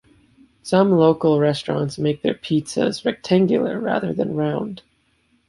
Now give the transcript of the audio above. Some local restaurants make their pizzas rectangular rather than round.